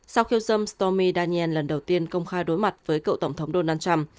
sau khiêu dâm stormy daniel lần đầu tiên công khai đối mặt với cậu tổng thống donald trump